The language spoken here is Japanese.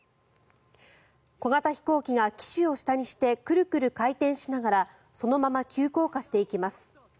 小型飛行機が機首を下にしてくるくる回転しながらそのまま急降下していきます。